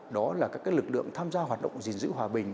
đó là các lực lượng tham gia hoạt động gìn giữ hòa bình